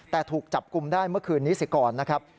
แต่ถูกจับกลุ่มได้เมื่อคืนนี้สิก่อนนะครับ